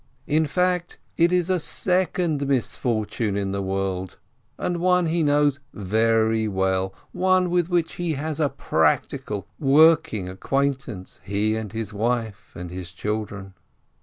In fact, there is a second misfortune in the world, and one he knows very well, one with which he has a practical, working acquaintance, he and his wife and his children.